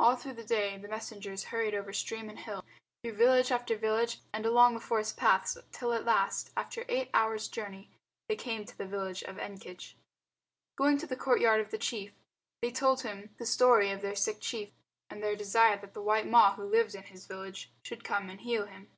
All through the day the messengers hurried over stream and hill, through village after village and along the forest paths till at last, after eight hours' journey, they came to the village of Ekenge. Going to the courtyard of the chief they told him the story of their sick chief, and their desire that the white Ma who lived in his village should come and heal him.